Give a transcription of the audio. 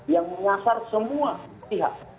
yang menyasar semua pihak